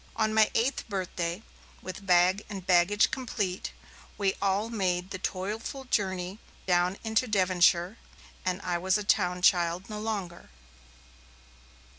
On my eighth birthday, with bag and baggage complete, we all made the toilful journey down into Devonshire, and I was a town child no longer.